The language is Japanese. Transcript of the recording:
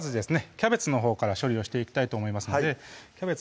キャベツのほうから処理をしていきたいと思いますのでキャベツ